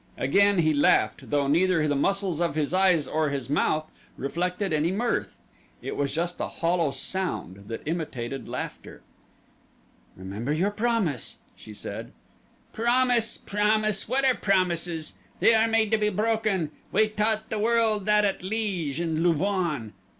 Again he laughed, though neither the muscles of his eyes or his mouth reflected any mirth it was just a hollow sound that imitated laughter. "Remember your promise," she said. "Promise! Promise! What are promises? They are made to be broken we taught the world that at Liege and Louvain.